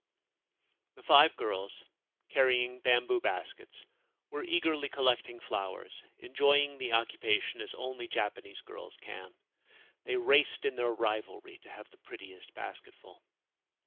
The five girls, carrying bamboo baskets, were eagerly collecting flowers, enjoying the occupation as only Japanese girls can. They raced in their rivalry to have the prettiest basketful.